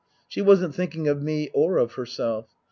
She wasn't thinking of me or of herself.